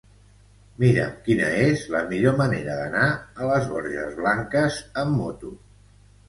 Mira'm quina és la millor manera d'anar a les Borges Blanques amb moto.